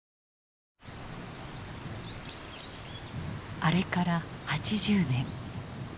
あれから８０年。